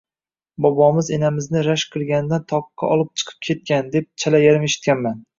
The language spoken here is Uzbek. — Bobomiz enamizni rashk qilganidan toqqa olib chiqib ketgan, deb chala-yarim eshitganman.